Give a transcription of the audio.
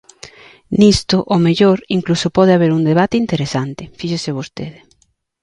Nisto, ao mellor, incluso pode haber un debate interesante, fíxese vostede.